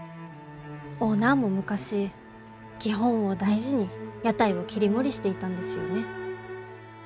オーナーも昔基本を大事に屋台を切り盛りしていたんですよね。